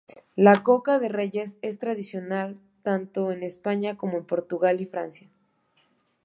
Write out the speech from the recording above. La coca de reyes es tradicional tanto en España como en Portugal y Francia.